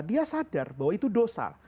dia sadar bahwa itu dosa